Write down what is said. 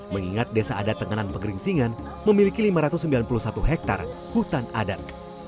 mengingat desa adat tenganan pegeringsingan memiliki lima ratus sembilan puluh satu hektare hutan adat